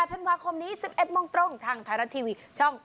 ธันวาคมนี้๑๑โมงตรงทางไทยรัฐทีวีช่อง๓